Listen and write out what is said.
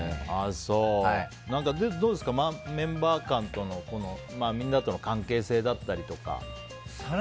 どうですか、メンバー間とのみんなとの関係性だったりとか。